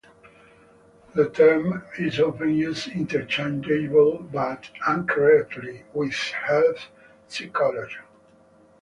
The term is often used interchangeably, but incorrectly, with health psycholog.